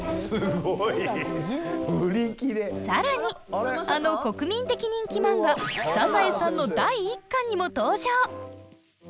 更にあの国民的人気漫画「サザエさん」の第１巻にも登場！